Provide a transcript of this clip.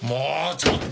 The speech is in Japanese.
ちょっと！